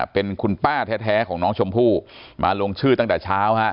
เป็นคุณป้าแท้ของน้องชมพู่มาลงชื่อตั้งแต่เช้าฮะ